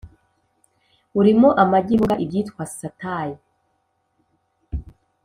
Urimo amagi n imboga ibyitwa satay